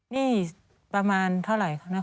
นี่ประมาณเท่าไหร่คะนะ